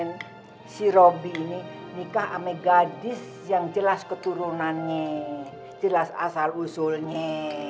ingat si robby ini nikah amegadis yang jelas keturunannya jelas asal usultnya